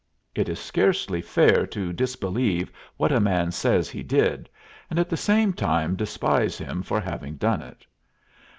It is scarcely fair to disbelieve what a man says he did, and at the same time despise him for having done it.